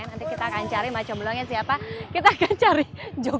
nanti kita akan cari macomblongnya siapa kita akan cari juga